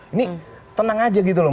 ini tenang aja gitu loh